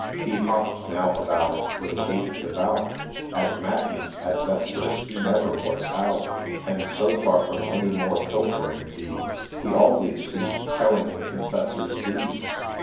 He hopp'd now about With a gait devout ; At Matins, at Vespers, he never was out ; And, so far from any more pilfering deeds, He always seem'd telling the Confessor's beads.